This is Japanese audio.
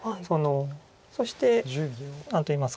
そして何といいますか。